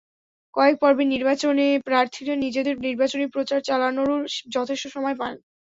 কয়েক পর্বের নির্বাচনে প্রার্থীরা নিজেদের নির্বাচনি প্রচার চালানোরও যথেষ্ট সময় পান।